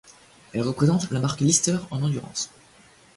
Elle représente la marque Lister en endurance.